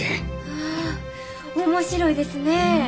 ああ面白いですね。